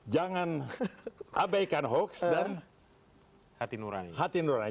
jangan abaikan hoax dan hati nurani